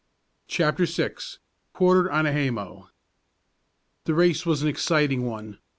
CHAPTER VI. QUARTERED ON A HAYMOW. The race was an exciting one.